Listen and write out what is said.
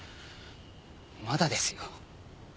まだですよ。